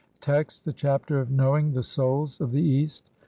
Text : (1) The Chapter of knowing the Souls of the EAST.